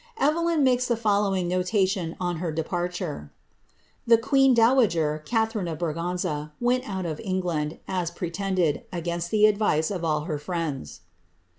Evelyn makes the following itation on her departure :—^ The queen dowager, Catharine of Bra nza, went out of England, as pretended, against the advice of all her ends."